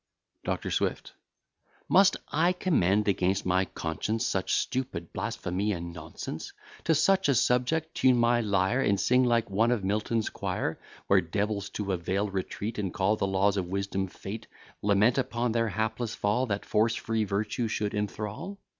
DR. SWIFT Must I commend against my conscience, Such stupid blasphemy and nonsense; To such a subject tune my lyre, And sing like one of Milton's choir, Where devils to a vale retreat, And call the laws of Wisdom, Fate; Lament upon their hapless fall, That Force free Virtue should enthrall?